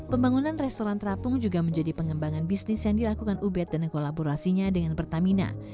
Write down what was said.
pembangunan restoran terapung juga menjadi pengembangan bisnis yang dilakukan ubed dan kolaborasinya dengan pertamina